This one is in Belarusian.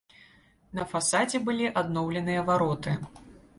На фасадзе былі адноўленыя вароты.